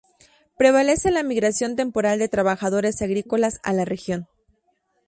Prevalece la migración temporal de trabajadores agrícolas a la región.